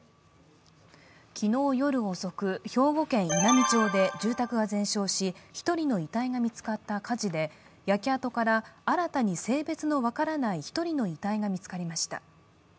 昨日夜遅く、兵庫県稲美町で住宅が全焼し１人の遺体が見つかった火事で、焼け跡から新たに性別の分からない１人の遺体が見つかりました。